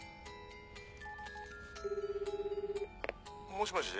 もしもし。